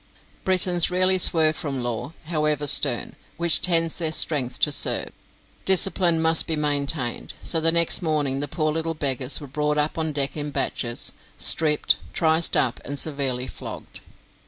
"Britons rarely swerve From law, however stern, which tends their strength to serve." Discipline must be maintained; so next morning the poor little beggars were brought up on deck in batches, stripped, triced up, and severely flogged.